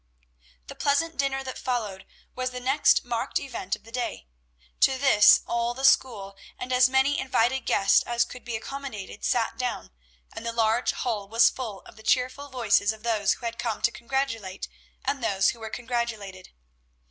The pleasant dinner that followed was the next marked event of the day. To this all the school, and as many invited guests as could be accommodated, sat down, and the large hall was full of the cheerful voices of those who had come to congratulate and those who were congratulated.